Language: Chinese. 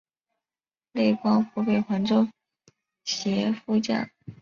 累官湖北黄州协副将。